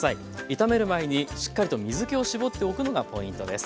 炒める前にしっかりと水けを絞っておくのがポイントです。